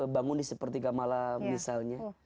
bangun di sepertiga malam misalnya